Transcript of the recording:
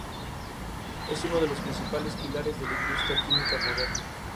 Fue distribuida a nivel nacional por Anchor Bay y en China por Bliss Media.